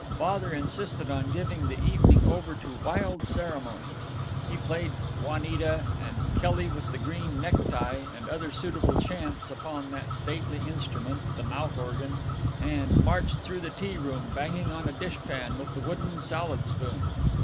Father insisted on giving the evening over to wild ceremonies. He played "Juanita" and "Kelly with the Green Necktie," and other suitable chants upon that stately instrument, the mouth organ, and marched through the tea room banging on a dishpan with the wooden salad spoon.